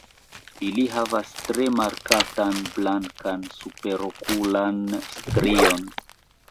Ili havas tre markatan blankan superokulan strion.